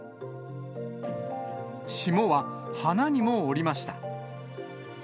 霜は、花にも降りました。